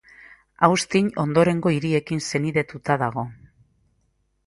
Austin ondorengo hiriekin senidetuta dago.